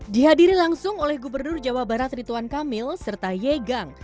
dihadiri langsung oleh gubernur jawa barat rituan kamil serta yegang